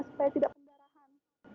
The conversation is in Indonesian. supaya tidak pendarahan